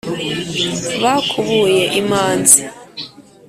bakubuye imanzi